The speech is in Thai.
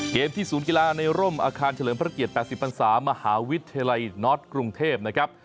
ที่ศูนย์กีฬาในร่มอาคารเฉลิมพระเกียรติ๘๐พันศามหาวิทยาลัยน็อตกรุงเทพนะครับ